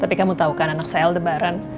tapi kamu tau kan anak saya aldebaran